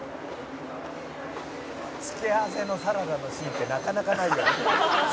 「付け合わせのサラダのシーンってなかなかないよね」